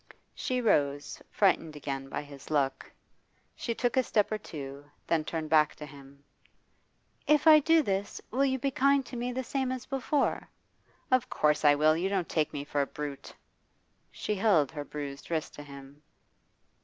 She rose, frightened again by his look. She took a step or two, then turned back to him. 'If I do this, will you be kind to me, the same as before?' 'Of course I will. You don't take me for a brute?' She held her bruised wrist to him.